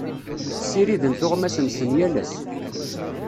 Ssiriden tuɣmas-nsen yal ass.